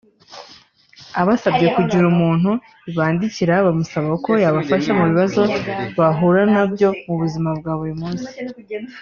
abasabye kugira umuntu bandikira bamusaba ko yabafasha mu bibazo bahura na byo mu buzima bwa buri munsi